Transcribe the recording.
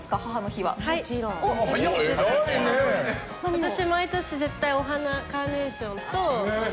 私毎年絶対お花カーネーションと。